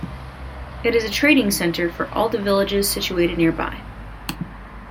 It is a trading center for all the villages situated nearby.